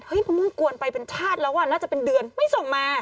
มะม่วงกวนไปเป็นชาติแล้วอ่ะน่าจะเป็นเดือนไม่ส่งมา